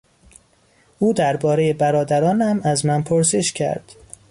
او دربارهی برادرانم از من پرسش کرد.